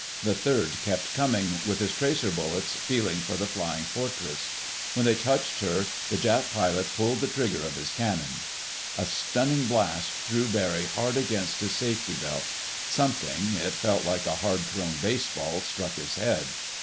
The third kept coming, with his tracer bullets feeling for the Flying Fortress. When they touched her the Jap pilot pulled the trigger of his cannon. A stunning blast threw Barry hard against his safety belt. Something—it felt like a hard thrown baseball—struck his head.